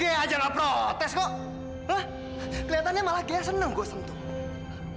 keliatannya malah gaya seneng gue sentuh